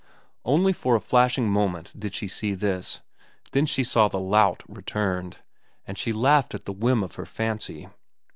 Only for a flashing moment did she see this, then she saw the lout returned, and she laughed at the whim of her fancy.